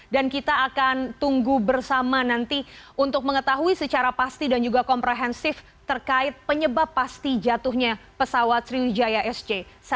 dan kita akan tunggu bersama nanti untuk mengetahui secara pasti dan juga komprehensif terkait penyebab pasti jatuhnya pesawat sriwijaya sj satu ratus delapan puluh dua